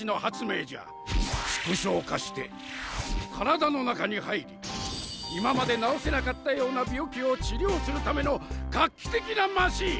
縮小化して体の中に入り今まで治せなかったような病気を治療するための画期的なマシン。